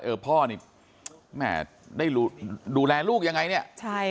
เออพ่อนี้แหม่ได้ดูแลลูกยังไงเนี้ย